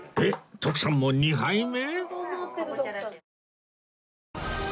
徳さんも２杯目！？